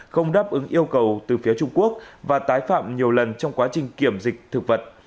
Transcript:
không đáp ứng yêu cầu từ phía trung quốc và tái phạm nhiều lần trong quá trình kiểm dịch thực vật